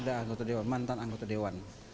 ada anggota dewan mantan anggota dewan